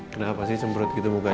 kenapa sih cembrut gitu mukanya